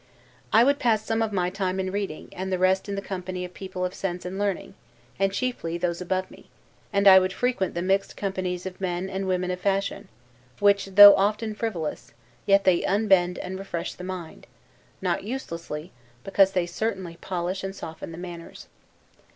I would pass some of my time in reading, and the rest in the company of people of sense and learning, and chiefly those above me; and I would frequent the mixed companies of men and women of fashion, which, though often frivolous, yet they unbend and refresh the mind, not uselessly, because they certainly polish and soften the manners.